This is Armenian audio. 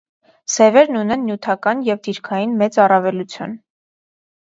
Սևերն ունեն նյութական և դիրքային մեծ առավելություն։